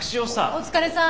お疲れさん。